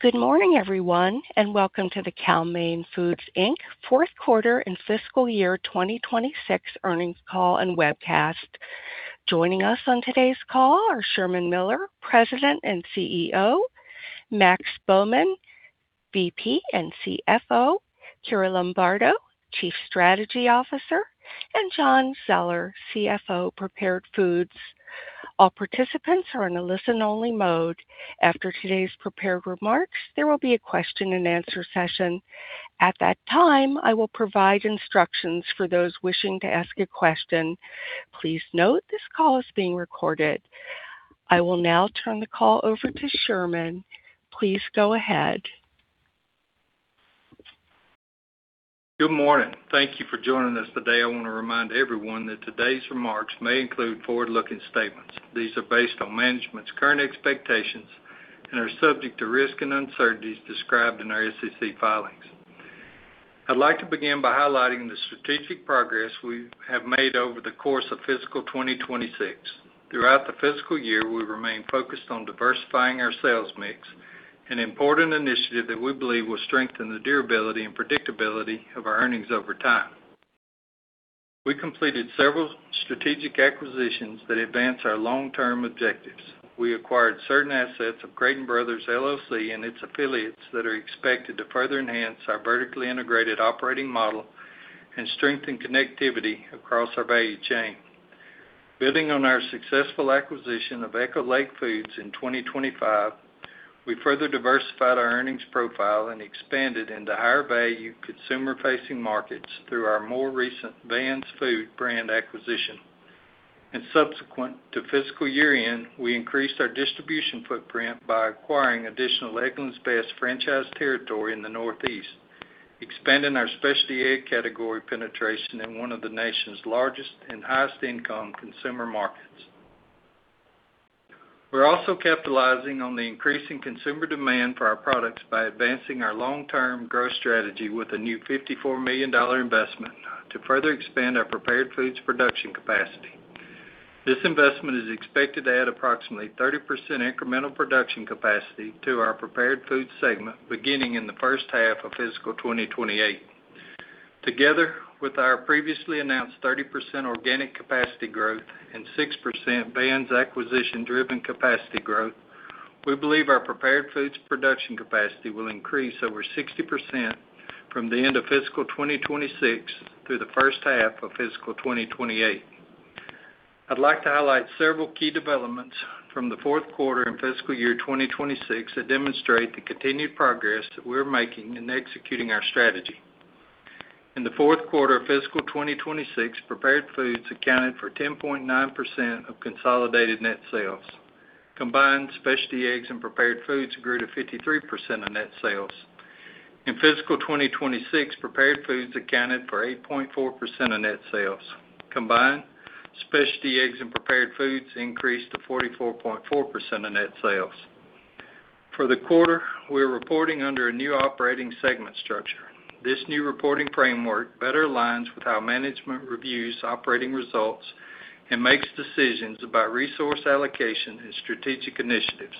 Good morning everyone, welcome to the Cal-Maine Foods, Inc. fourth quarter and fiscal year 2026 earnings call and webcast. Joining us on today's call are Sherman Miller, President and CEO, Max Bowman, VP and CFO, Keira Lombardo, Chief Strategy Officer, and John Zoeller, CFO Prepared Foods. All participants are in a listen-only mode. After today's prepared remarks, there will be a question and answer session. At that time, I will provide instructions for those wishing to ask a question. Please note this call is being recorded. I will now turn the call over to Sherman. Please go ahead. Good morning. Thank you for joining us today. I want to remind everyone that today's remarks may include forward-looking statements. These are based on management's current expectations and are subject to risks and uncertainties described in our SEC filings. I'd like to begin by highlighting the strategic progress we have made over the course of fiscal 2026. Throughout the fiscal year, we remained focused on diversifying our sales mix, an important initiative that we believe will strengthen the durability and predictability of our earnings over time. We completed several strategic acquisitions that advance our long-term objectives. We acquired certain assets of Creighton Brothers LLC and its affiliates that are expected to further enhance our vertically integrated operating model and strengthen connectivity across our value chain. Building on our successful acquisition of Echo Lake Foods in 2025, we further diversified our earnings profile and expanded into higher-value consumer-facing markets through our more recent Van's Foods brand acquisition. Subsequent to fiscal year-end, we increased our distribution footprint by acquiring additional Eggland's Best franchise territory in the Northeast, expanding our specialty egg category penetration in one of the nation's largest and highest-income consumer markets. We're also capitalizing on the increasing consumer demand for our products by advancing our long-term growth strategy with a new $54 million investment to further expand our prepared foods production capacity. This investment is expected to add approximately 30% incremental production capacity to our prepared foods segment, beginning in the first half of fiscal 2028. Together with our previously announced 30% organic capacity growth and 6% Van's acquisition-driven capacity growth, we believe our prepared foods production capacity will increase over 60% from the end of fiscal 2026 through the first half of fiscal 2028. I'd like to highlight several key developments from the fourth quarter and fiscal year 2026 that demonstrate the continued progress that we're making in executing our strategy. In the fourth quarter of fiscal 2026, prepared foods accounted for 10.9% of consolidated net sales. Combined specialty eggs and prepared foods grew to 53% of net sales. In fiscal 2026, prepared foods accounted for 8.4% of net sales. Combined, specialty eggs and prepared foods increased to 44.4% of net sales. For the quarter, we're reporting under a new operating segment structure. This new reporting framework better aligns with how management reviews operating results and makes decisions about resource allocation and strategic initiatives.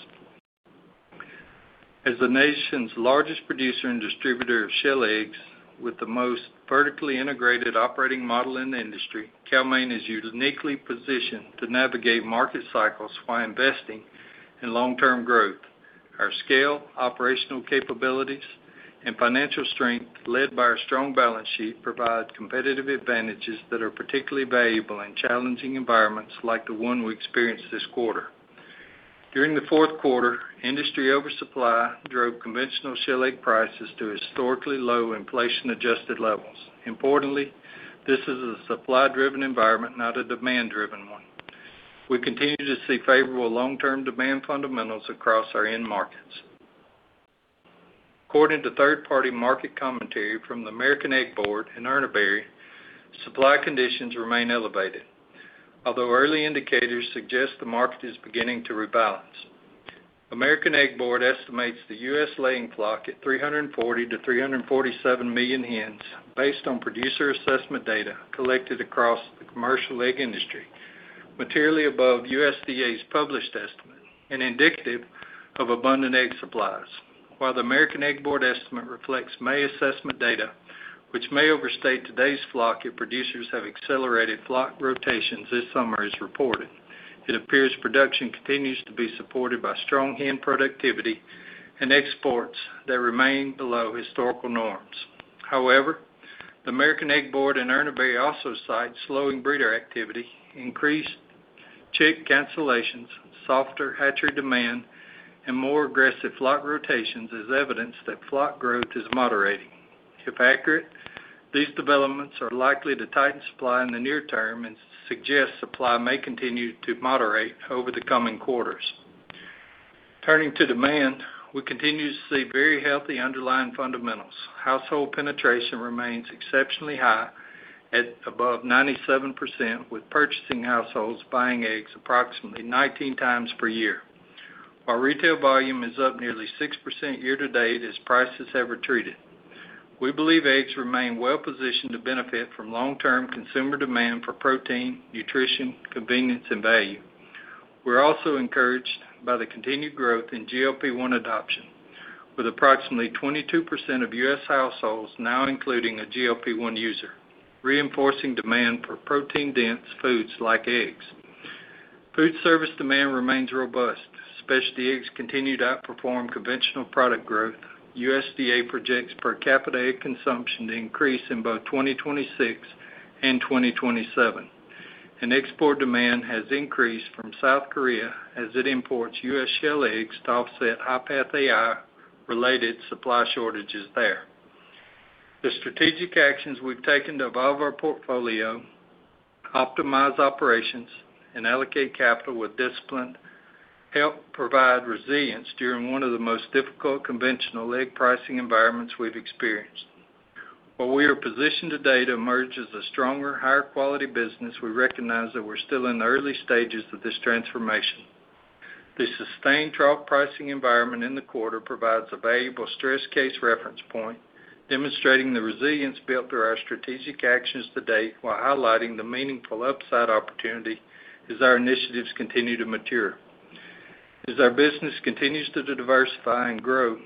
As the nation's largest producer and distributor of shell eggs with the most vertically integrated operating model in the industry, Cal-Maine is uniquely positioned to navigate market cycles while investing in long-term growth. Our scale, operational capabilities, and financial strength, led by our strong balance sheet, provide competitive advantages that are particularly valuable in challenging environments like the one we experienced this quarter. During the fourth quarter, industry oversupply drove conventional shell egg prices to historically low inflation-adjusted levels. Importantly, this is a supply-driven environment, not a demand-driven one. We continue to see favorable long-term demand fundamentals across our end markets. According to third-party market commentary from the American Egg Board and Urner Barry, supply conditions remain elevated. Although early indicators suggest the market is beginning to rebalance. American Egg Board estimates the U.S. laying flock at 340-347 million hens based on producer assessment data collected across the commercial egg industry, materially above USDA's published estimate and indicative of abundant egg supplies. While the American Egg Board estimate reflects May assessment data, which may overstate today's flock if producers have accelerated flock rotations this summer as reported. It appears production continues to be supported by strong hen productivity and exports that remain below historical norms. However, the American Egg Board and Urner Barry also cite slowing breeder activity, increased chick cancellations, softer hatchery demand, and more aggressive flock rotations as evidence that flock growth is moderating. If accurate, these developments are likely to tighten supply in the near term and suggest supply may continue to moderate over the coming quarters. Turning to demand, we continue to see very healthy underlying fundamentals. Household penetration remains exceptionally high at above 97%, with purchasing households buying eggs approximately 19 times per year. Our retail volume is up nearly 6% year to date as prices have retreated. We believe eggs remain well-positioned to benefit from long-term consumer demand for protein, nutrition, convenience, and value. We're also encouraged by the continued growth in GLP-1 adoption, with approximately 22% of U.S. households now including a GLP-1 user, reinforcing demand for protein-dense foods like eggs. Food service demand remains robust. Specialty eggs continue to outperform conventional product growth. USDA projects per capita egg consumption to increase in both 2026 and 2027, and export demand has increased from South Korea as it imports U.S. shell eggs to offset HPAI-related supply shortages there. The strategic actions we've taken to evolve our portfolio, optimize operations, and allocate capital with discipline help provide resilience during one of the most difficult conventional egg pricing environments we've experienced. While we are positioned to date emerge as a stronger, higher quality business, we recognize that we're still in the early stages of this transformation. The sustained trough pricing environment in the quarter provides a valuable stress case reference point, demonstrating the resilience built through our strategic actions to date while highlighting the meaningful upside opportunity as our initiatives continue to mature. As our business continues to diversify and grow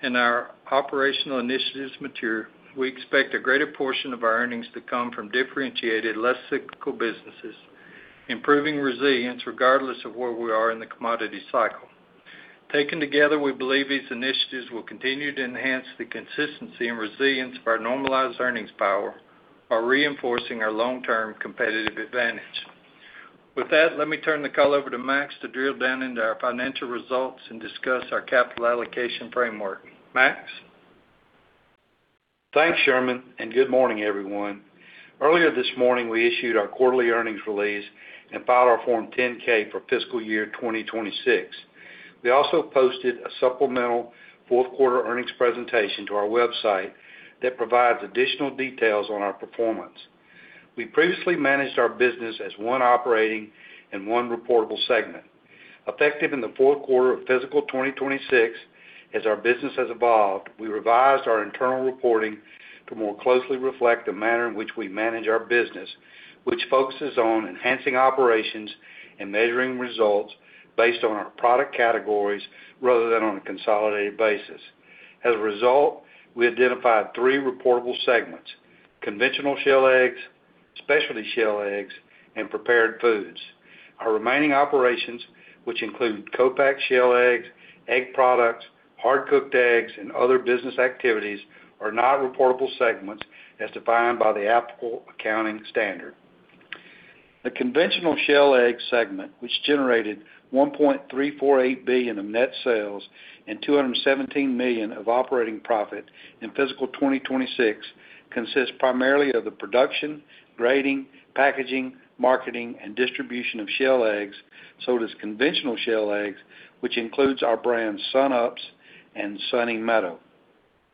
and our operational initiatives mature, we expect a greater portion of our earnings to come from differentiated, less cyclical businesses, improving resilience regardless of where we are in the commodity cycle. Taken together, we believe these initiatives will continue to enhance the consistency and resilience of our normalized earnings power while reinforcing our long-term competitive advantage. With that, let me turn the call over to Max to drill down into our financial results and discuss our capital allocation framework. Max? Thanks, Sherman, and good morning, everyone. Earlier this morning, we issued our quarterly earnings release and filed our Form 10-K for fiscal year 2026. We also posted a supplemental fourth quarter earnings presentation to our website that provides additional details on our performance. We previously managed our business as one operating and one reportable segment. Effective in the fourth quarter of fiscal 2026, as our business has evolved, we revised our internal reporting to more closely reflect the manner in which we manage our business, which focuses on enhancing operations and measuring results based on our product categories rather than on a consolidated basis. As a result, we identified three reportable segments: Conventional Shell Eggs, Specialty Shell Eggs, and Prepared Foods. Our remaining operations, which include co-pack shell eggs, egg products, hard cooked eggs, and other business activities, are not reportable segments as defined by the applicable accounting standard. The Conventional Shell Eggs segment, which generated $1.348 billion of net sales and $217 million of operating profit in fiscal 2026, consists primarily of the production, grading, packaging, marketing, and distribution of shell eggs sold as conventional shell eggs, which includes our brands Sunups and Sunny Meadow.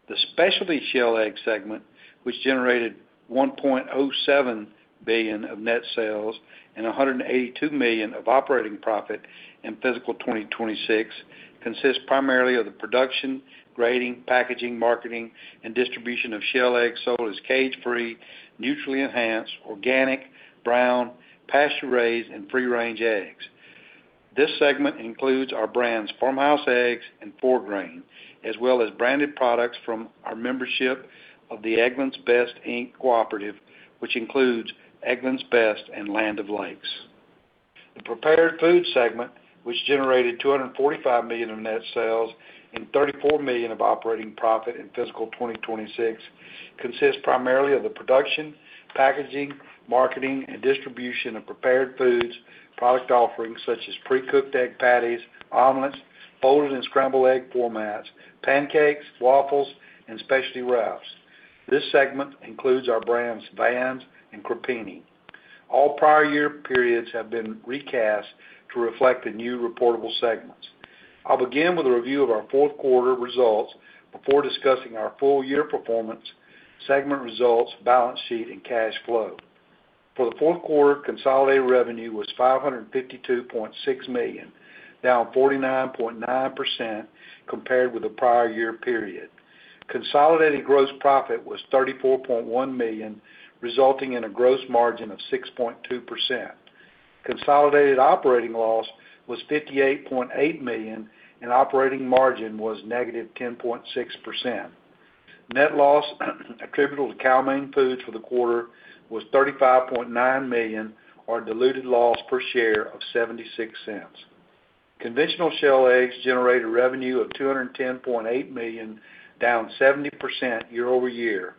The Specialty Shell Egg segment, which generated $1.07 billion of net sales and $182 million of operating profit in fiscal 2026, consists primarily of the production, grading, packaging, marketing, and distribution of shell eggs sold as cage-free, nutritionally enhanced, organic, brown, pasture-raised, and free-range eggs. This segment includes our brands Farmhouse Eggs and 4-Grain, as well as branded products from our membership of the Eggland's Best, Inc. cooperative, which includes Eggland's Best and Land O'Lakes. The Prepared Food segment, which generated $245 million in net sales and $34 million of operating profit in fiscal 2026, consists primarily of the production, packaging, marketing, and distribution of prepared foods product offerings such as pre-cooked egg patties, omelets, folded and scrambled egg formats, pancakes, waffles, and specialty wraps. This segment includes our brands Van's and Crepini. All prior year periods have been recast to reflect the new reportable segments. I'll begin with a review of our fourth quarter results before discussing our full year performance, segment results, balance sheet, and cash flow. For the fourth quarter, consolidated revenue was $552.6 million, down 49.9% compared with the prior year period. Consolidated gross profit was $34.1 million, resulting in a gross margin of 6.2%. Consolidated operating loss was $58.8 million and operating margin was negative 10.6%. Net loss attributable to Cal-Maine Foods for the quarter was $35.9 million or diluted loss per share of $0.76. Conventional shell eggs generated revenue of $210.8 million, down 70% year-over-year.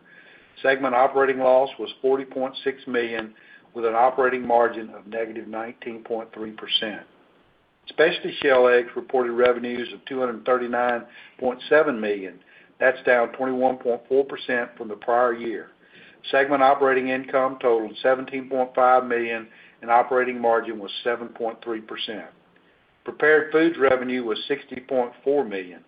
Segment operating loss was $40.6 million with an operating margin of negative 19.3%. Specialty shell eggs reported revenues of $239.7 million. That's down 21.4% from the prior year. Segment operating income totaled $17.5 million and operating margin was 7.3%. Prepared foods revenue was $60.4 million.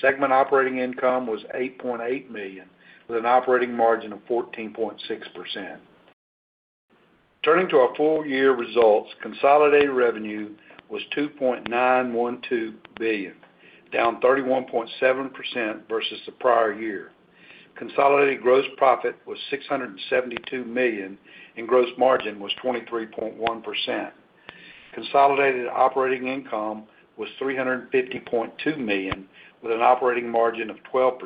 Segment operating income was $8.8 million, with an operating margin of 14.6%. Turning to our full year results, consolidated revenue was $2.912 billion, down 31.7% versus the prior year. Consolidated gross profit was $672 million and gross margin was 23.1%. Consolidated operating income was $350.2 million with an operating margin of 12%.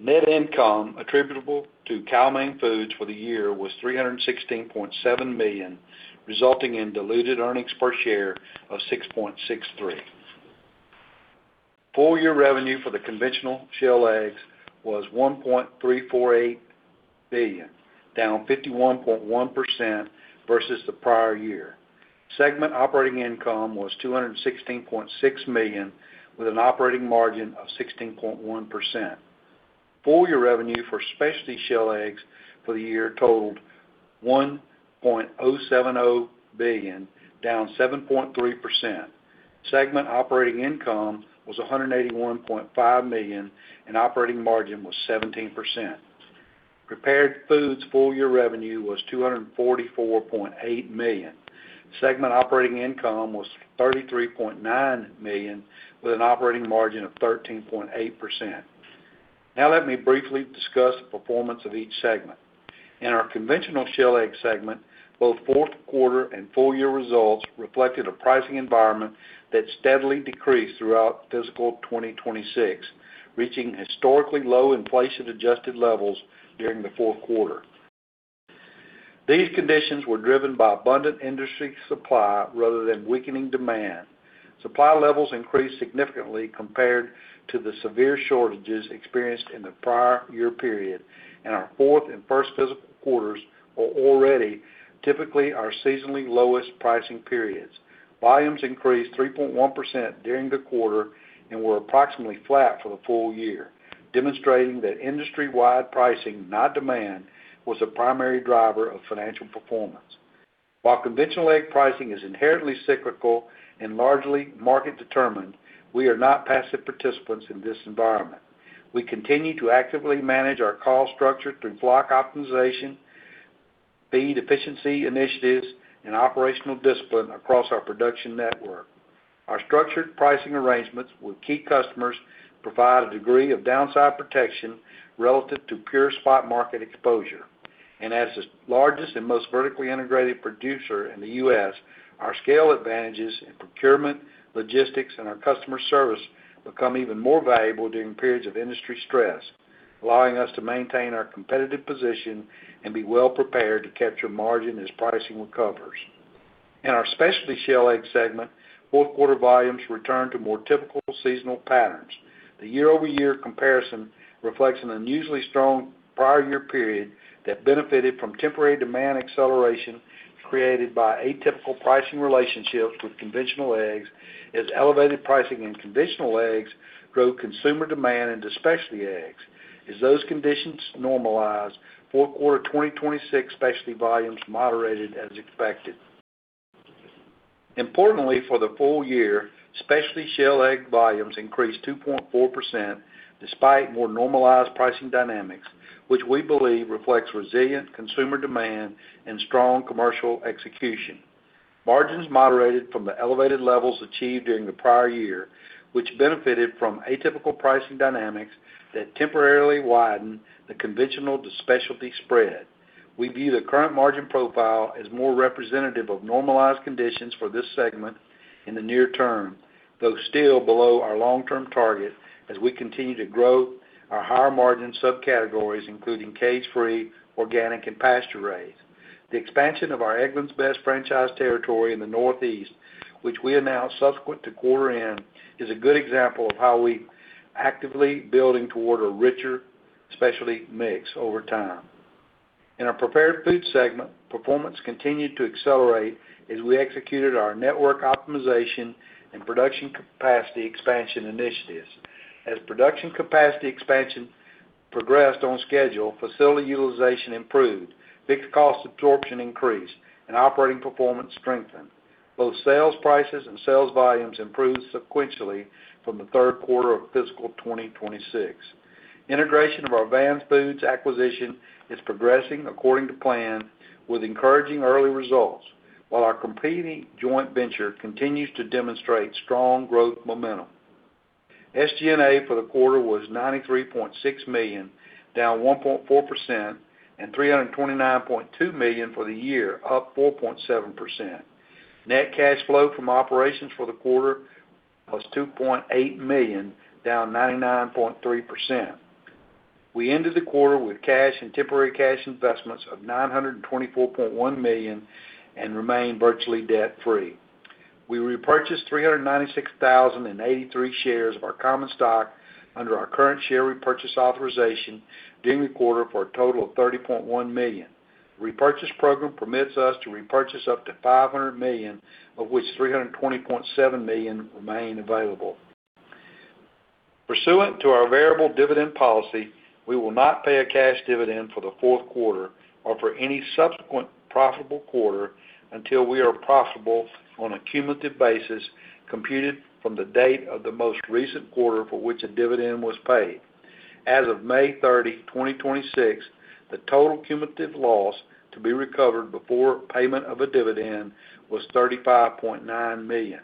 Net income attributable to Cal-Maine Foods for the year was $316.7 million, resulting in diluted earnings per share of $6.63. Full year revenue for the conventional shell eggs was $1.348 billion, down 51.1% versus the prior year. Segment operating income was $216.6 million, with an operating margin of 16.1%. Full year revenue for specialty shell eggs for the year totaled $1.070 billion, down 7.3%. Segment operating income was $181.5 million and operating margin was 17%. Prepared foods full year revenue was $244.8 million. Segment operating income was $33.9 million, with an operating margin of 13.8%. Let me briefly discuss the performance of each segment. In our conventional shell egg segment, both fourth quarter and full year results reflected a pricing environment that steadily decreased throughout fiscal 2026, reaching historically low inflation-adjusted levels during the fourth quarter. These conditions were driven by abundant industry supply rather than weakening demand. Supply levels increased significantly compared to the severe shortages experienced in the prior year period, our fourth and first fiscal quarters are already typically our seasonally lowest pricing periods. Volumes increased 3.1% during the quarter and were approximately flat for the full year, demonstrating that industry-wide pricing, not demand, was the primary driver of financial performance. While conventional egg pricing is inherently cyclical and largely market determined, we are not passive participants in this environment. We continue to actively manage our cost structure through flock optimization, feed efficiency initiatives, and operational discipline across our production network. Our structured pricing arrangements with key customers provide a degree of downside protection relative to pure spot market exposure. As the largest and most vertically integrated producer in the U.S., our scale advantages in procurement, logistics, and our customer service become even more valuable during periods of industry stress, allowing us to maintain our competitive position and be well prepared to capture margin as pricing recovers. In our specialty shell egg segment, fourth quarter volumes returned to more typical seasonal patterns. The year-over-year comparison reflects an unusually strong prior year period that benefited from temporary demand acceleration created by atypical pricing relationships with conventional eggs, as elevated pricing in conventional eggs drove consumer demand into specialty eggs. As those conditions normalized, fourth quarter 2026 specialty volumes moderated as expected. Importantly, for the full year, specialty shell egg volumes increased 2.4%, despite more normalized pricing dynamics, which we believe reflects resilient consumer demand and strong commercial execution. Margins moderated from the elevated levels achieved during the prior year, which benefited from atypical pricing dynamics that temporarily widened the conventional to specialty spread. We view the current margin profile as more representative of normalized conditions for this segment in the near term, though still below our long-term target as we continue to grow our higher-margin subcategories, including cage-free, organic, and pasture-raised. The expansion of our Eggland's Best franchise territory in the Northeast, which we announced subsequent to quarter end, is a good example of how we actively building toward a richer specialty mix over time. In our prepared foods segment, performance continued to accelerate as we executed our network optimization and production capacity expansion initiatives. As production capacity expansion progressed on schedule, facility utilization improved, fixed cost absorption increased, and operating performance strengthened. Both sales prices and sales volumes improved sequentially from the third quarter of fiscal 2026. Integration of our Van's Foods acquisition is progressing according to plan with encouraging early results, while our Crepini joint venture continues to demonstrate strong growth momentum. SG&A for the quarter was $93.6 million, down 1.4%, and $329.2 million for the year, up 4.7%. Net cash flow from operations for the quarter was $2.8 million, down 99.3%. We ended the quarter with cash and temporary cash investments of $924.1 million and remain virtually debt-free. We repurchased 396,083 shares of our common stock under our current share repurchase authorization during the quarter for a total of $30.1 million. Repurchase program permits us to repurchase up to $500 million, of which $320.7 million remain available. Pursuant to our variable dividend policy, we will not pay a cash dividend for the fourth quarter or for any subsequent profitable quarter until we are profitable on a cumulative basis computed from the date of the most recent quarter for which a dividend was paid. As of May 30, 2026, the total cumulative loss to be recovered before payment of a dividend was $35.9 million.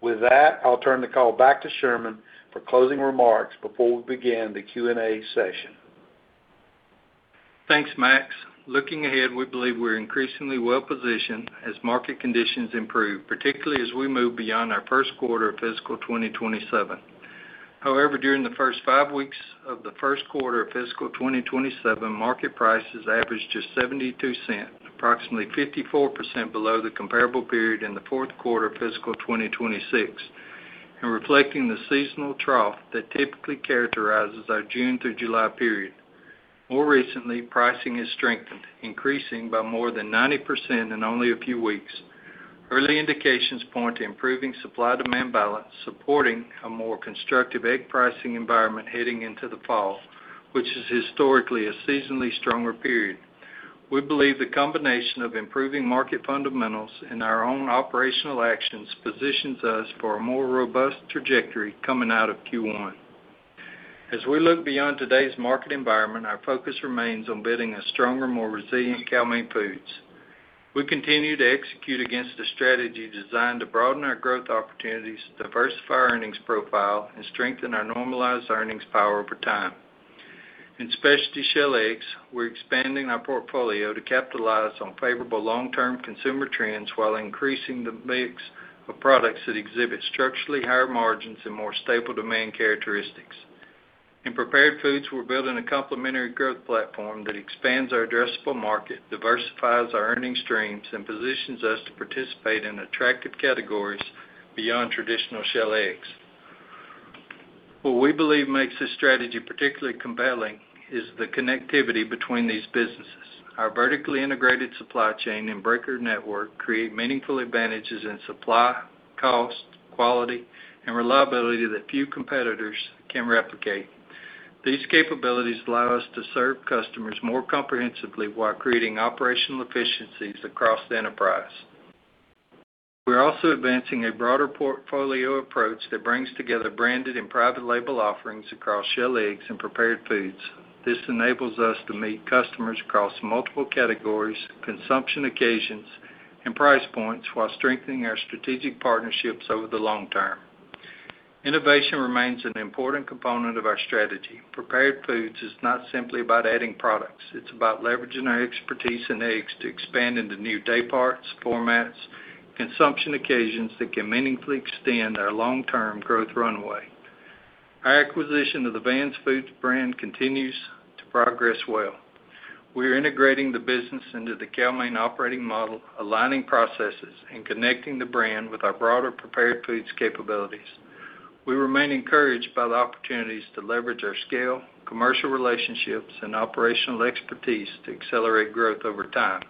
With that, I'll turn the call back to Sherman for closing remarks before we begin the Q&A session. Thanks, Max. Looking ahead, we believe we're increasingly well-positioned as market conditions improve, particularly as we move beyond our first quarter of fiscal 2027. However, during the first five weeks of the first quarter of fiscal 2027, market prices averaged just $0.72, approximately 54% below the comparable period in the fourth quarter of fiscal 2026, and reflecting the seasonal trough that typically characterizes our June through July period. More recently, pricing has strengthened, increasing by more than 90% in only a few weeks. Early indications point to improving supply-demand balance, supporting a more constructive egg pricing environment heading into the fall, which is historically a seasonally stronger period. We believe the combination of improving market fundamentals and our own operational actions positions us for a more robust trajectory coming out of Q1. As we look beyond today's market environment, our focus remains on building a stronger, more resilient Cal-Maine Foods. We continue to execute against a strategy designed to broaden our growth opportunities, diversify our earnings profile, and strengthen our normalized earnings power over time. In specialty shell eggs, we're expanding our portfolio to capitalize on favorable long-term consumer trends while increasing the mix of products that exhibit structurally higher margins and more stable demand characteristics. In prepared foods, we're building a complementary growth platform that expands our addressable market, diversifies our earnings streams, and positions us to participate in attractive categories beyond traditional shell eggs. What we believe makes this strategy particularly compelling is the connectivity between these businesses. Our vertically integrated supply chain and breaker network create meaningful advantages in supply, cost, quality, and reliability that few competitors can replicate. These capabilities allow us to serve customers more comprehensively while creating operational efficiencies across the enterprise. We're also advancing a broader portfolio approach that brings together branded and private label offerings across shell eggs and prepared foods. This enables us to meet customers across multiple categories, consumption occasions, and price points while strengthening our strategic partnerships over the long term. Innovation remains an important component of our strategy. Prepared foods is not simply about adding products. It's about leveraging our expertise in eggs to expand into new day parts, formats, consumption occasions that can meaningfully extend our long-term growth runway. Our acquisition of the Van's Foods brand continues to progress well. We are integrating the business into the Cal-Maine operating model, aligning processes, and connecting the brand with our broader prepared foods capabilities. We remain encouraged by the opportunities to leverage our scale, commercial relationships, and operational expertise to accelerate growth over time.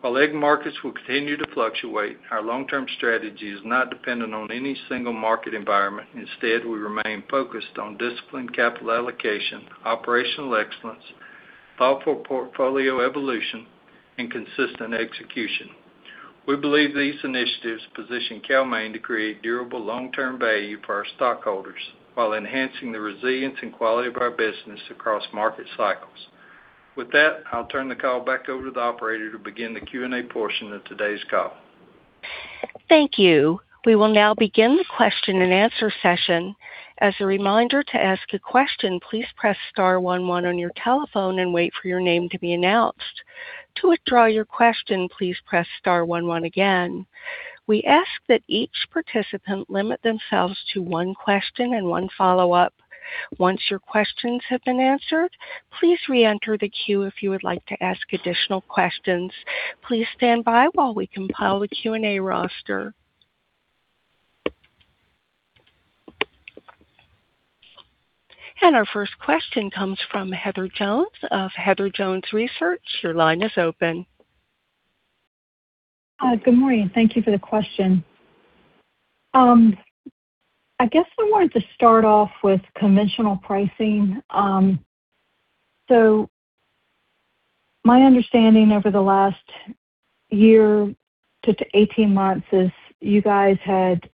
While egg markets will continue to fluctuate, our long-term strategy is not dependent on any single market environment. Instead, we remain focused on disciplined capital allocation, operational excellence, thoughtful portfolio evolution, and consistent execution. We believe these initiatives position Cal-Maine to create durable long-term value for our stockholders while enhancing the resilience and quality of our business across market cycles. With that, I'll turn the call back over to the operator to begin the Q&A portion of today's call. Thank you. We will now begin the question and answer session. As a reminder, to ask a question, please press star one one on your telephone and wait for your name to be announced. To withdraw your question, please press star one one again. We ask that each participant limit themselves to one question and one follow-up. Once your questions have been answered, please re-enter the queue if you would like to ask additional questions. Please stand by while we compile the Q&A roster. Our first question comes from Heather Jones of Heather Jones Research. Your line is open. Good morning. Thank you for the question. I guess I wanted to start off with conventional pricing. My understanding over the last year to 18 months is you guys had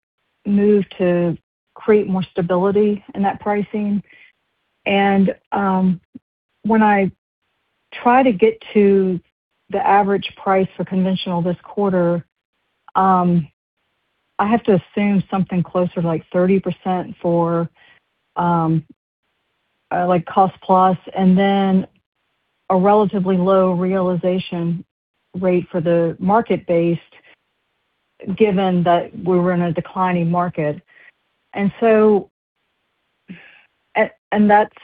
moved to create more stability in that pricing. When I try to get to the average price for conventional this quarter, I have to assume something closer to 30% for cost plus, and then a relatively low realization rate for the market-based, given that we were in a declining market. That's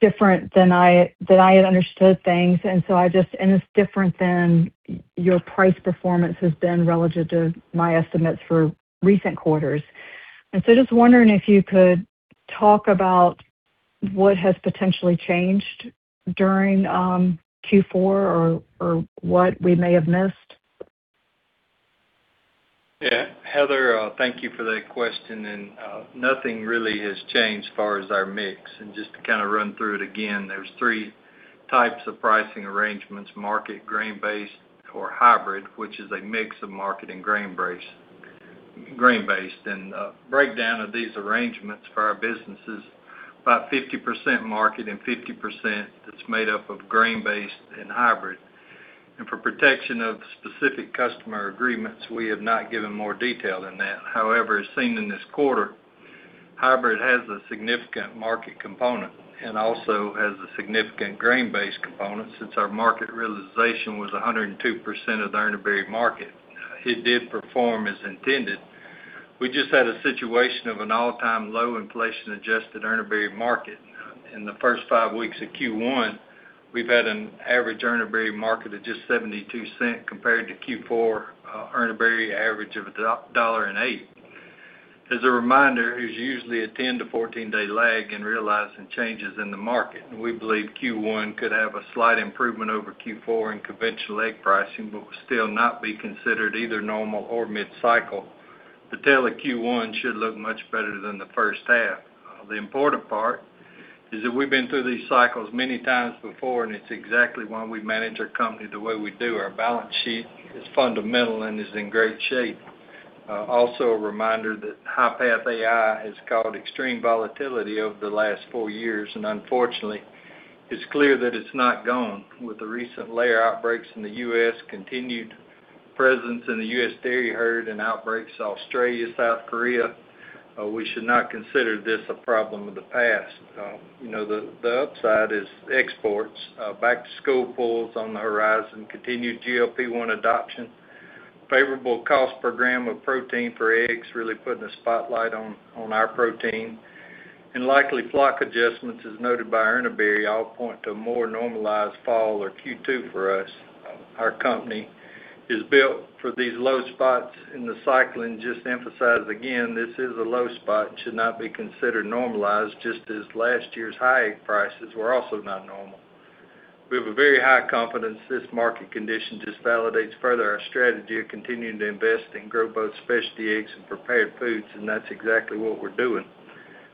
different than I had understood things, and it's different than your price performance has been relative to my estimates for recent quarters. Just wondering if you could talk about what has potentially changed during Q4 or what we may have missed. Yeah, Heather, thank you for that question. Nothing really has changed as far as our mix. Just to kind of run through it again, there's three types of pricing arrangements, market, grain-based, or hybrid, which is a mix of market and grain-based. The breakdown of these arrangements for our business is about 50% market and 50% that's made up of grain-based and hybrid. For protection of specific customer agreements, we have not given more detail than that. However, as seen in this quarter, hybrid has a significant market component and also has a significant grain-based component, since our market realization was 102% of the Urner Barry market. It did perform as intended. We just had a situation of an all-time low inflation-adjusted Urner Barry market. In the first five weeks of Q1, we've had an average Urner Barry market of just $0.72 compared to Q4 Urner Barry average of $1.08. As a reminder, there's usually a 10-14-day lag in realizing changes in the market. We believe Q1 could have a slight improvement over Q4 in conventional egg pricing, but will still not be considered either normal or mid-cycle. The tail of Q1 should look much better than the first half. The important part is that we've been through these cycles many times before, and it's exactly why we manage our company the way we do. Our balance sheet is fundamental and is in great shape. Also, a reminder that HPAI has caused extreme volatility over the last four years, and unfortunately, it's clear that it's not gone. With the recent layer outbreaks in the U.S., continued presence in the U.S. dairy herd and outbreaks in Australia, South Korea, we should not consider this a problem of the past. The upside is exports. Back-to-school pull is on the horizon, continued GLP-1 adoption, favorable cost per gram of protein for eggs, really putting a spotlight on our protein, and likely flock adjustments, as noted by Urner Barry, all point to a more normalized fall or Q2 for us. Our company is built for these low spots in the cycle. Just to emphasize again, this is a low spot and should not be considered normalized, just as last year's high egg prices were also not normal. We have a very high confidence this market condition just validates further our strategy of continuing to invest and grow both specialty eggs and prepared foods, and that's exactly what we're doing.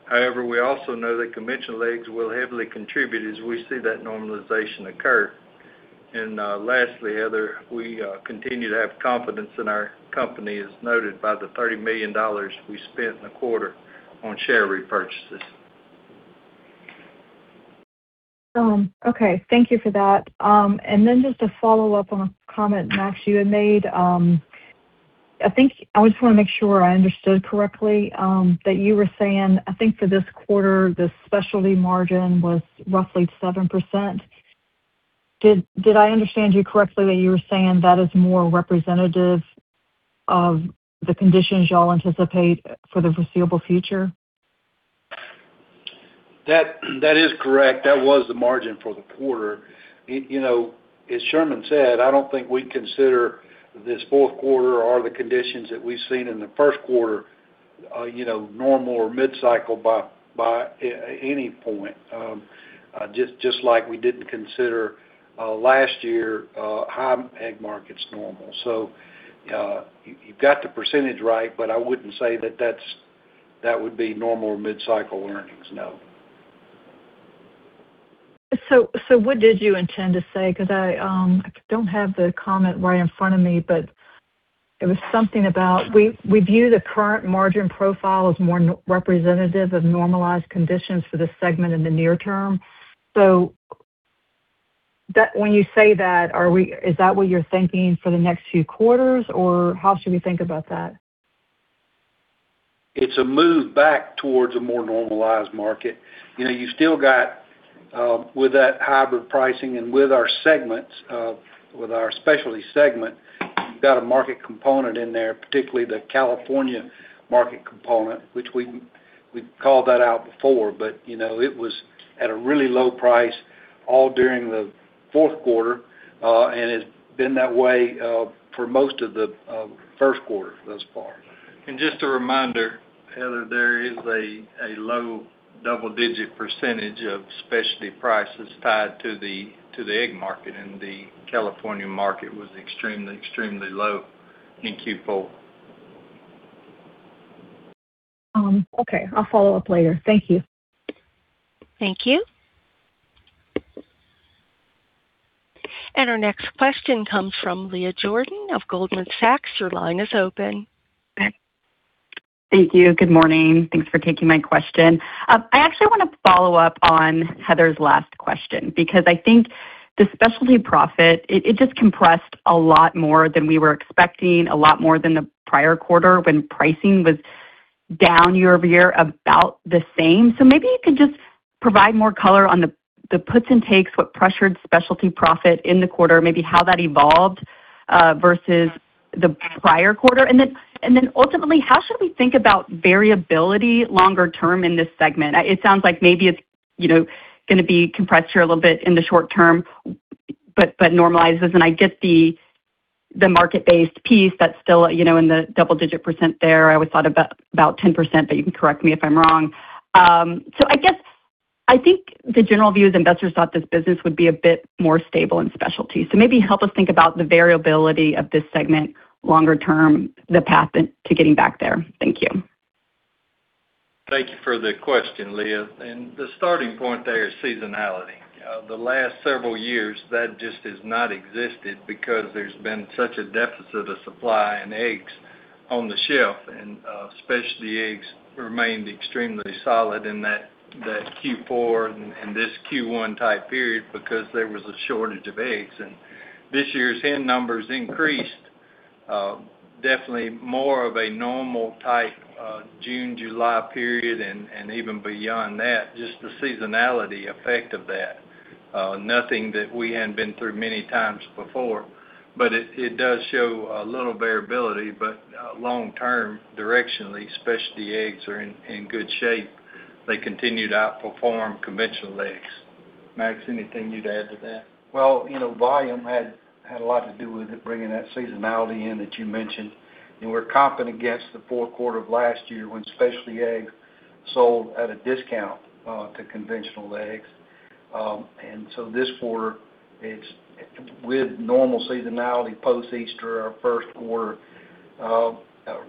However, we also know that conventional eggs will heavily contribute as we see that normalization occur. Lastly, Heather, we continue to have confidence in our company, as noted by the $30 million we spent in the quarter on share repurchases. Okay. Thank you for that. Just a follow-up on a comment, Max, you had made. I just want to make sure I understood correctly, that you were saying, I think, for this quarter, the specialty margin was roughly 7%. Did I understand you correctly that you were saying that is more representative of the conditions you all anticipate for the foreseeable future? That is correct. That was the margin for the quarter. As Sherman said, I don't think we'd consider this fourth quarter or the conditions that we've seen in the first quarter normal or mid-cycle by any point. Just like we didn't consider last year high egg markets normal. You've got the percentage right, but I wouldn't say that would be normal or mid-cycle earnings, no. What did you intend to say? Because I don't have the comment right in front of me, but it was something about, we view the current margin profile as more representative of normalized conditions for the segment in the near term. When you say that, is that what you're thinking for the next few quarters, or how should we think about that? It's a move back towards a more normalized market. You still got, with that hybrid pricing and with our segments, with our Specialty Segment, you've got a market component in there, particularly the California market component, which we've called that out before. It was at a really low price all during the fourth quarter. It's been that way for most of the first quarter thus far. Just a reminder, Heather, there is a low double-digit percentage of Specialty prices tied to the egg market, and the California market was extremely low in Q4. Okay. I'll follow up later. Thank you. Thank you. Our next question comes from Leah Jordan of Goldman Sachs. Your line is open. Thank you. Good morning. Thanks for taking my question. I actually want to follow up on Heather's last question because I think the specialty profit, it just compressed a lot more than we were expecting, a lot more than the prior quarter when pricing was down year-over-year about the same. Maybe you could just provide more color on the puts and takes, what pressured specialty profit in the quarter, maybe how that evolved versus the prior quarter. Ultimately, how should we think about variability longer term in this segment? It sounds like maybe it's going to be compressed here a little bit in the short term but normalizes. I get the market-based piece that's still in the double-digit percent there. I always thought about 10%, but you can correct me if I'm wrong. I think the general view is investors thought this business would be a bit more stable in specialty. Maybe help us think about the variability of this segment longer term, the path to getting back there. Thank you. Thank you for the question, Leah. The starting point there is seasonality. The last several years, that just has not existed because there's been such a deficit of supply in eggs on the shelf, and specialty eggs remained extremely solid in that Q4 and this Q1 type period because there was a shortage of eggs. This year's hen numbers increased, definitely more of a normal type June, July period, and even beyond that, just the seasonality effect of that. Nothing that we haven't been through many times before. It does show a little variability. Long term, directionally, specialty eggs are in good shape. They continued to outperform conventional eggs. Max, anything you'd add to that? Well, volume had a lot to do with it, bringing that seasonality in that you mentioned. We're comping against the fourth quarter of last year when specialty eggs sold at a discount to conventional eggs. This quarter, with normal seasonality post-Easter, our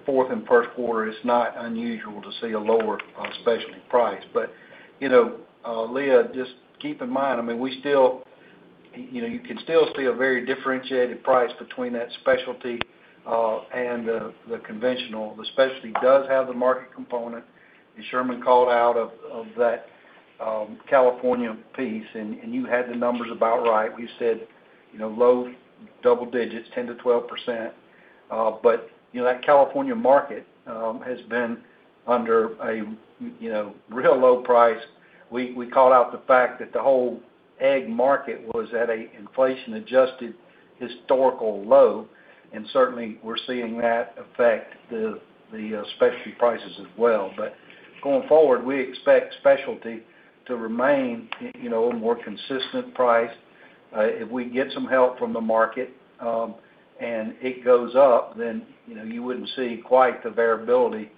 fourth and first quarter, it's not unusual to see a lower specialty price. Leah, just keep in mind, you can still see a very differentiated price between that specialty and the conventional. The specialty does have the market component, as Sherman called out of that California piece, and you had the numbers about right. We said low double digits, 10%-12%. That California market has been under a real low price. We called out the fact that the whole egg market was at a inflation-adjusted historical low, and certainly, we're seeing that affect the specialty prices as well. Going forward, we expect specialty to remain a more consistent price. If we can get some help from the market, and it goes up, then you wouldn't see quite the variability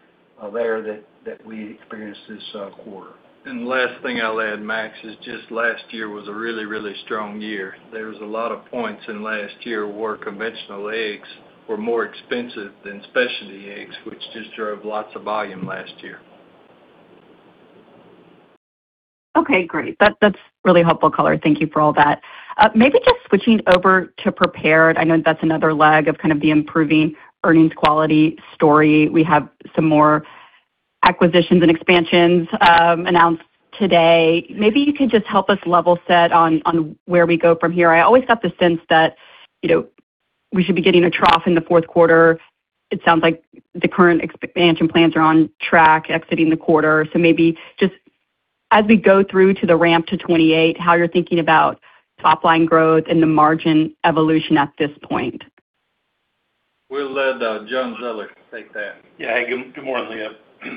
there that we experienced this quarter. The last thing I'll add, Max, is just last year was a really strong year. There was a lot of points in last year where conventional eggs were more expensive than specialty eggs, which just drove lots of volume last year. Okay, great. That's really helpful color. Thank you for all that. Maybe just switching over to Prepared. I know that's another leg of kind of the improving earnings quality story. We have some more acquisitions and expansions announced today. Maybe you could just help us level set on where we go from here. I always got the sense that we should be getting a trough in the fourth quarter. It sounds like the current expansion plans are on track exiting the quarter. Maybe just as we go through to the ramp to 2028, how you're thinking about top-line growth and the margin evolution at this point. We'll let John Zoeller take that. Yeah. Good morning, Leah.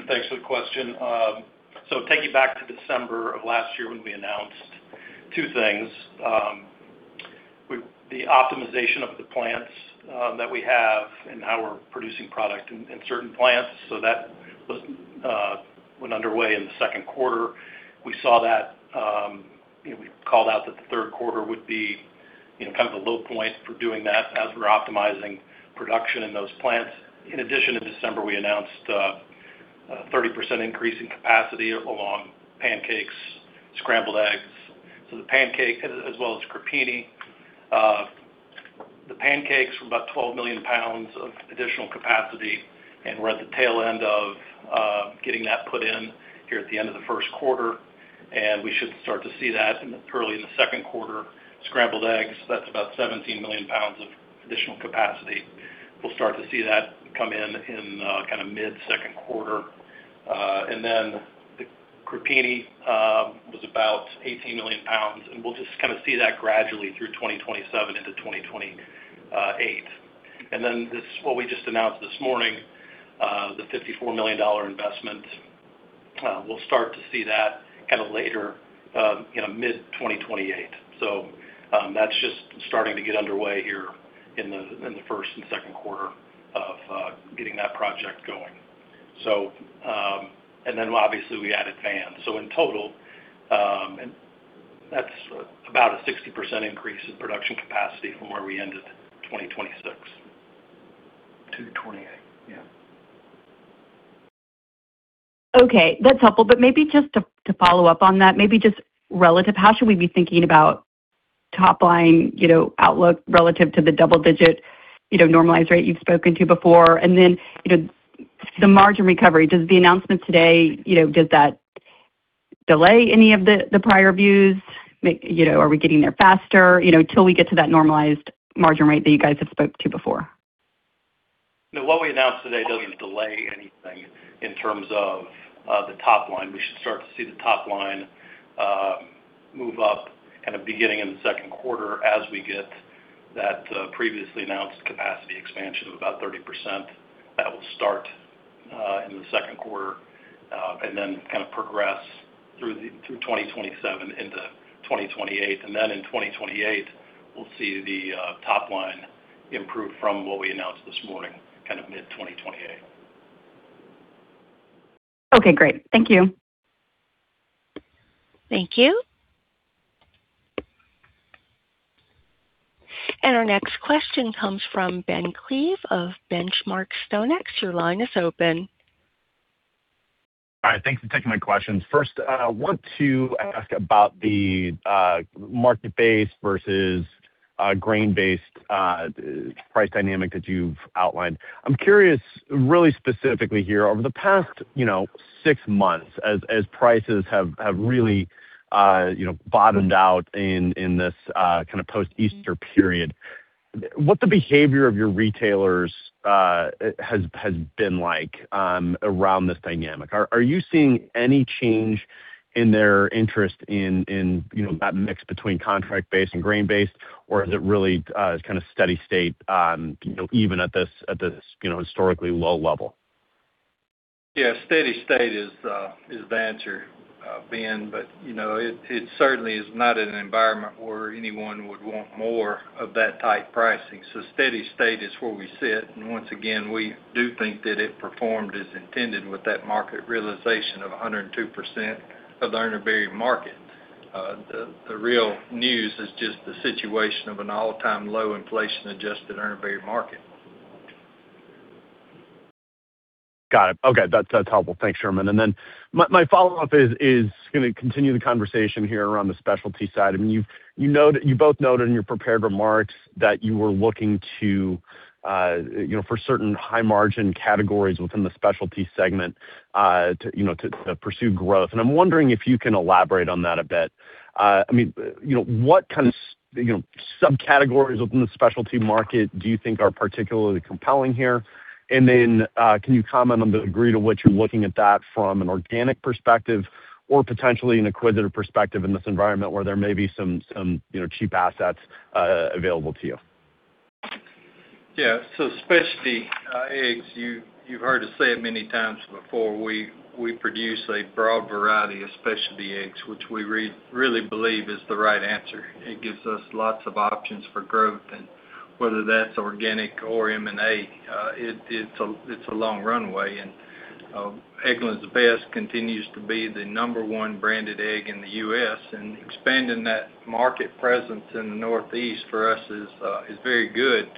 Thanks for the question. Taking you back to December of last year when we announced two things. The optimization of the plants that we have and how we're producing product in certain plants. That went underway in the second quarter. We called out that the third quarter would be kind of the low point for doing that as we're optimizing production in those plants. In addition, in December, we announced a 30% increase in capacity along pancakes, scrambled eggs. The pancake as well as Crepini. The pancakes were about 12 million pounds of additional capacity, and we're at the tail end of getting that put in here at the end of the first quarter, and we should start to see that early in the second quarter. Scrambled eggs, that's about 17 million pounds of additional capacity. We'll start to see that come in in kind of mid-second quarter. The Crepini was about 18 million pounds, and we'll just kind of see that gradually through 2027 into 2028. What we just announced this morning, the $54 million investment. We'll start to see that kind of later, mid-2028. That's just starting to get underway here in the first and second quarter of getting that project going. Obviously we added Van's. In total, that's about a 60% increase in production capacity from where we ended 2026. To 2028, yeah. Okay, that's helpful. Maybe just to follow up on that, maybe just relative, how should we be thinking about top line outlook relative to the double digit normalized rate you've spoken to before? The margin recovery. Does the announcement today delay any of the prior views? Are we getting there faster? Till we get to that normalized margin rate that you guys have spoke to before. No, what we announced today doesn't delay anything in terms of the top line. We should start to see the top line move up kind of beginning in the second quarter as we get that previously announced capacity expansion of about 30%. That will start in the second quarter, and then kind of progress through 2027 into 2028. In 2028, we'll see the top line improve from what we announced this morning, kind of mid-2028. Okay, great. Thank you. Thank you. Our next question comes from Ben Klieve of The Benchmark Company. Your line is open. Hi. Thanks for taking my questions. First, I want to ask about the market-based versus grain-based price dynamic that you've outlined. I'm curious, really specifically here, over the past six months, as prices have really bottomed out in this kind of post-Easter period, what the behavior of your retailers has been like around this dynamic. Are you seeing any change in their interest in that mix between contract-based and grain-based, or is it really kind of steady state, even at this historically low level? Steady state is the answer, Ben, it certainly is not an environment where anyone would want more of that type pricing. Steady state is where we sit, once again, we do think that it performed as intended with that market realization of 102% of the Urner Barry market. The real news is just the situation of an all-time low inflation-adjusted Urner Barry market. Got it. Okay. That's helpful. Thanks, Sherman. My follow-up is going to continue the conversation here around the specialty side. You both noted in your prepared remarks that you were looking for certain high-margin categories within the specialty segment to pursue growth, I'm wondering if you can elaborate on that a bit. What kind of subcategories within the specialty market do you think are particularly compelling here? Can you comment on the degree to which you're looking at that from an organic perspective or potentially an acquisitive perspective in this environment where there may be some cheap assets available to you? Specialty eggs, you've heard us say it many times before. We produce a broad variety of specialty eggs, which we really believe is the right answer. It gives us lots of options for growth, whether that's organic or M&A, it's a long runway. Eggland's Best continues to be the number one branded egg in the U.S. expanding that market presence in the Northeast for us is very good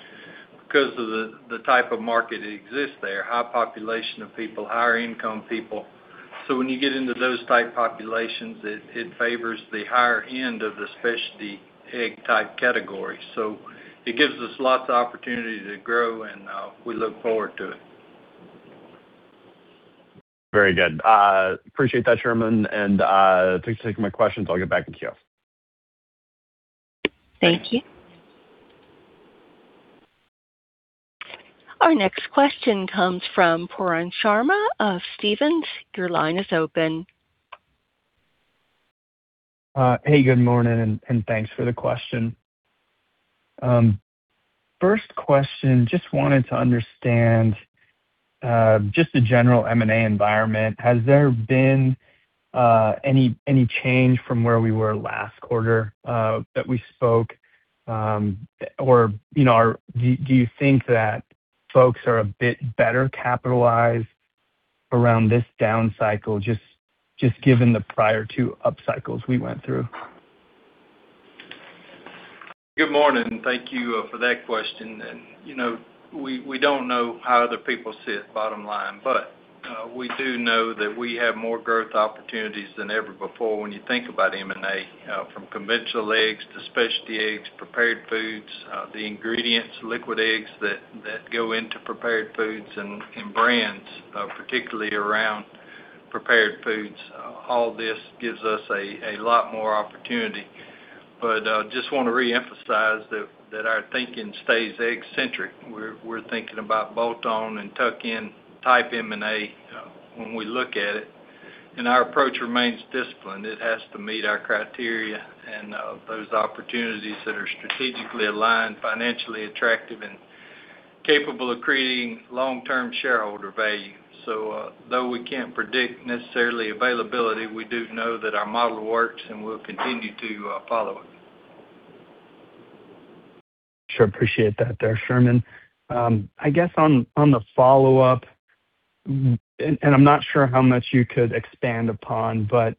because of the type of market that exists there. High population of people, higher income people. When you get into those type populations, it favors the higher end of the specialty egg type category. It gives us lots of opportunity to grow, we look forward to it. Very good. Appreciate that, Sherman, and thanks for taking my questions. I'll get back in queue. Thank you. Our next question comes from Pooran Sharma of Stephens. Your line is open. Hey, good morning, and thanks for the question. First question, just wanted to understand just the general M&A environment. Has there been any change from where we were last quarter that we spoke? Do you think that folks are a bit better capitalized around this down cycle, just given the prior two up cycles we went through? Good morning. Thank you for that question. We don't know how other people sit, bottom line. We do know that we have more growth opportunities than ever before when you think about M&A from conventional eggs to specialty eggs, prepared foods, the ingredients, liquid eggs that go into prepared foods and brands, particularly around prepared foods. All this gives us a lot more opportunity. Just want to reemphasize that our thinking stays egg-centric. We're thinking about bolt-on and tuck-in type M&A when we look at it, and our approach remains disciplined. It has to meet our criteria and those opportunities that are strategically aligned, financially attractive and capable of creating long-term shareholder value. Though we can't predict necessarily availability, we do know that our model works, and we'll continue to follow it. Sure. Appreciate that there, Sherman. I guess on the follow-up, and I'm not sure how much you could expand upon, but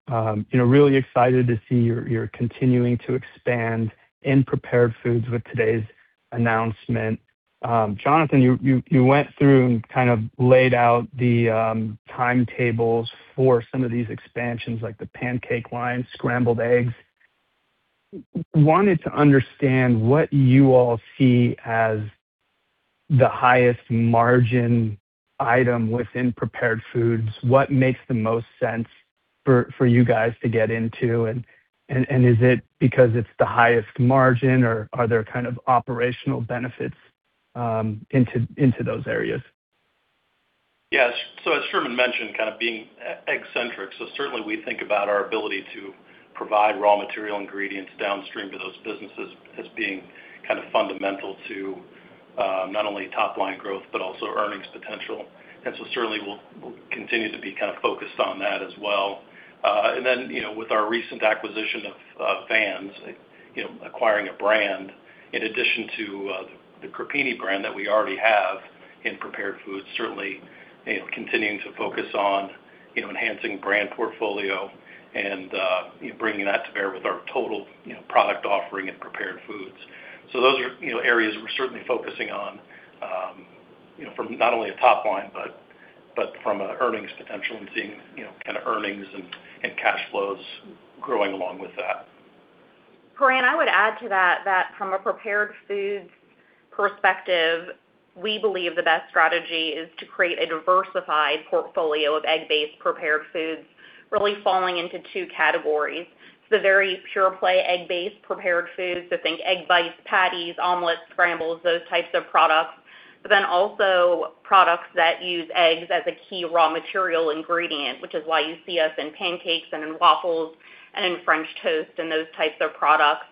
really excited to see you're continuing to expand in prepared foods with today's announcement. John, you went through and kind of laid out the timetables for some of these expansions, like the pancake line, scrambled eggs. Wanted to understand what you all see as the highest margin item within prepared foods. What makes the most sense for you guys to get into, and is it because it's the highest margin, or are there kind of operational benefits into those areas? Yes. As Sherman mentioned, kind of being egg-centric. Certainly we think about our ability to provide raw material ingredients downstream to those businesses as being kind of fundamental to not only top-line growth but also earnings potential. Certainly we'll continue to be kind of focused on that as well. With our recent acquisition of Van's, acquiring a brand in addition to Crepini brand that we already have in prepared foods. Certainly, continuing to focus on enhancing brand portfolio and bringing that to bear with our total product offering in prepared foods. Those are areas we're certainly focusing on from not only a top line, but from an earnings potential and seeing earnings and cash flows growing along with that. Pooran, I would add to that from a prepared foods perspective, we believe the best strategy is to create a diversified portfolio of egg-based prepared foods, really falling into two categories. The very pure-play egg-based prepared foods, think egg bites, patties, omelets, scrambles, those types of products. Also products that use eggs as a key raw material ingredient, which is why you see us in pancakes and in waffles and in French toast and those types of products.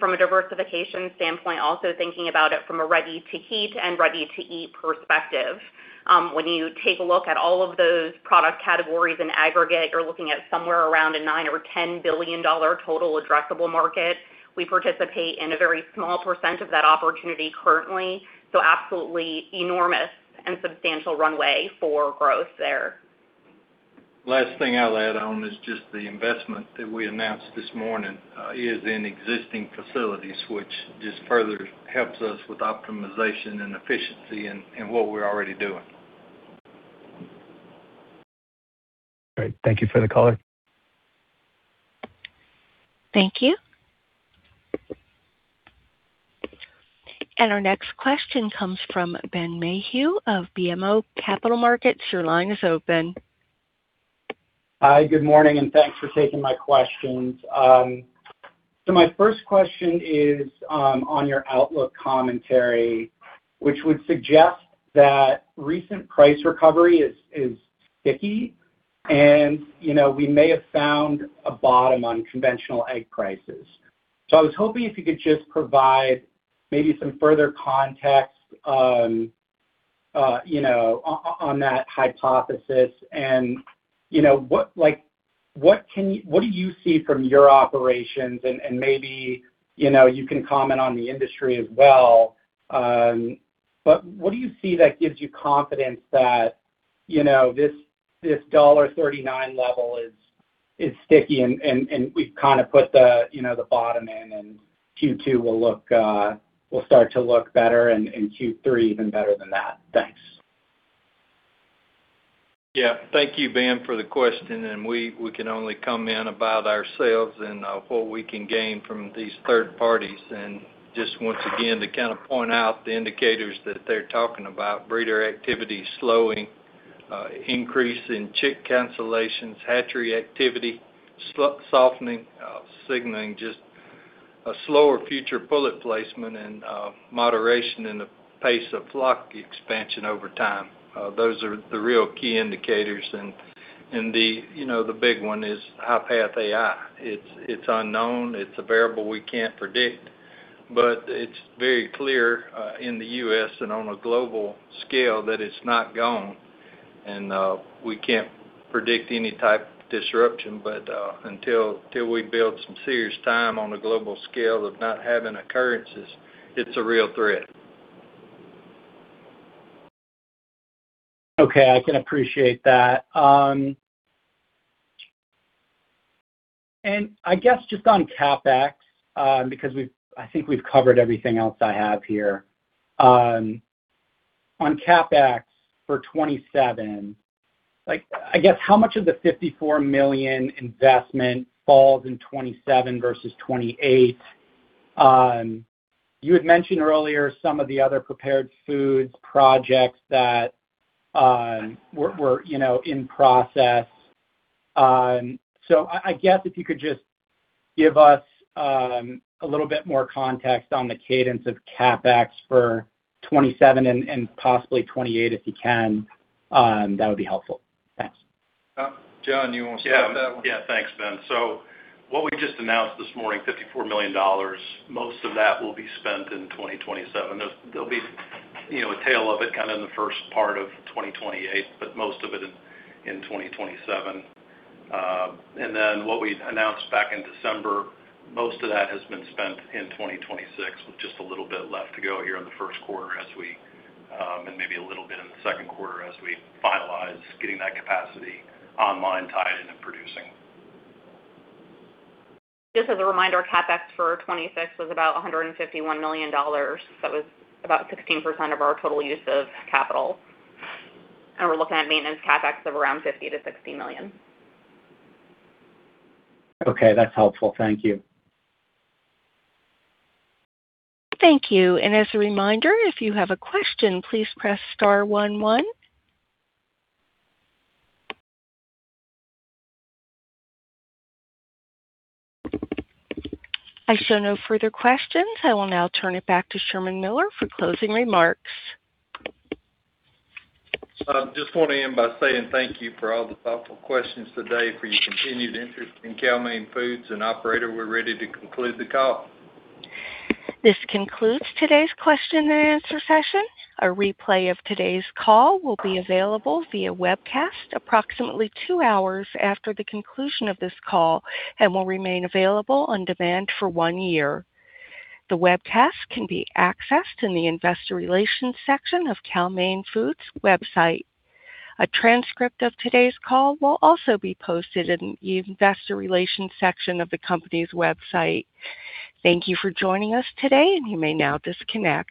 From a diversification standpoint, also thinking about it from a ready-to-heat and ready-to-eat perspective. When you take a look at all of those product categories in aggregate, you're looking at somewhere around a nine or $10 billion total addressable market. We participate in a very small % of that opportunity currently, absolutely enormous and substantial runway for growth there. Last thing I'll add on is just the investment that we announced this morning is in existing facilities, which just further helps us with optimization and efficiency in what we're already doing. Great. Thank you for the color. Thank you. Our next question comes from Ben Mayhew of BMO Capital Markets. Your line is open. Hi, good morning, thanks for taking my questions. My first question is on your outlook commentary, which would suggest that recent price recovery is sticky, and we may have found a bottom on conventional egg prices. I was hoping if you could just provide maybe some further context on that hypothesis and what do you see from your operations and maybe you can comment on the industry as well. What do you see that gives you confidence that this $1.39 level is sticky and we've kind of put the bottom in and Q2 will start to look better and Q3 even better than that? Thanks. Yeah. Thank you, Ben, for the question, we can only comment about ourselves and what we can gain from these third parties. Just once again, to kind of point out the indicators that they're talking about, breeder activity slowing, increase in chick cancellations, hatchery activity softening, signaling just a slower future pullet placement and moderation in the pace of flock expansion over time. Those are the real key indicators and the big one is high path AI. It's unknown. It's a variable we can't predict, but it's very clear in the U.S. and on a global scale that it's not gone. We can't predict any type of disruption, but until we build some serious time on a global scale of not having occurrences, it's a real threat. I can appreciate that. I guess just on CapEx, because I think we have covered everything else I have here. On CapEx for 2027, I guess, how much of the $54 million investment falls in 2027 versus 2028? You had mentioned earlier some of the other prepared foods projects that were in process. I guess if you could just give us a little bit more context on the cadence of CapEx for 2027 and possibly 2028, if you can, that would be helpful. Thanks. John, you want to take that one? Thanks, Ben. What we just announced this morning, $54 million, most of that will be spent in 2027. There will be a tail of it kind of in the first part of 2028, but most of it in 2027. What we announced back in December, most of that has been spent in 2026, with just a little bit left to go here in the first quarter and maybe a little bit in the second quarter as we finalize getting that capacity online, tied in, and producing. Just as a reminder, CapEx for 2026 was about $151 million. It was about 16% of our total use of capital. We are looking at maintenance CapEx of around $50 million-$60 million. Okay, that's helpful. Thank you. Thank you. As a reminder, if you have a question, please press star one one. I show no further questions. I will now turn it back to Sherman Miller for closing remarks. I just want to end by saying thank you for all the thoughtful questions today, for your continued interest in Cal-Maine Foods, and operator, we're ready to conclude the call. This concludes today's question and answer session. A replay of today's call will be available via webcast approximately two hours after the conclusion of this call and will remain available on demand for one year. The webcast can be accessed in the investor relations section of Cal-Maine Foods website. A transcript of today's call will also be posted in the investor relations section of the company's website. Thank you for joining us today, and you may now disconnect.